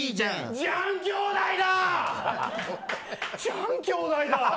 ジャン兄弟だ。